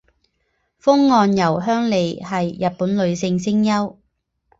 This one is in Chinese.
峰岸由香里是日本女性声优。